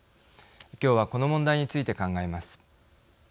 きょうはこの問題について考えます。